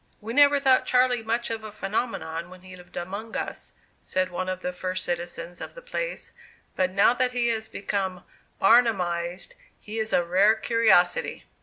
"We never thought Charlie much of a phenomenon when he lived among us," said one of the first citizens of the place, "but now that he has become 'Barnumized,' he is a rare curiosity."